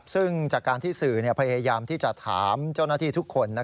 ซึ่งจากการที่สื่อพยายามที่จะถามเจ้าหน้าที่ทุกคน